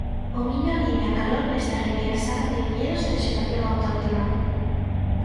O Miño alivia a calor nesta Ribeira Sacra de viñedos e vexetación autóctona.